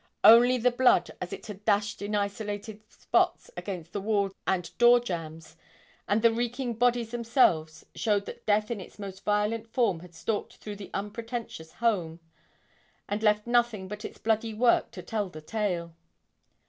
Only the blood as it had dashed in isolated spots against the walls and door jams, and the reeking bodies themselves showed that death in its most violent form had stalked through the unpretentious home and left nothing but its bloody work to tell the tale.